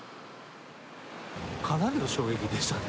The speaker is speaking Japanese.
かなりの衝撃でしたね。